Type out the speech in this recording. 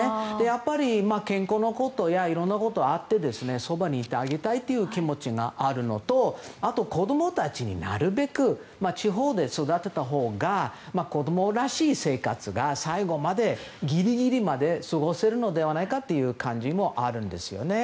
やっぱり、健康のことやいろんなことがあってそばにいてあげたいという気持ちがあるのとあと、子供たちにはなるべく地方で育てたほうが子供らしい生活が最後までギリギリまで過ごせるのではないかという感じもあるんですよね。